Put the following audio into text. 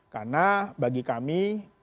karena bagi kami